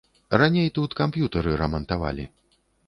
Раней тут камп'ютары рамантавалі.